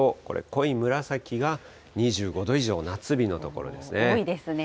これ、濃い紫が２５度以上、夏日の所ですね。